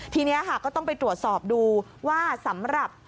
ทีนี้ค่ะก็ต้องไปตรวจสอบดูว่าสำหรับ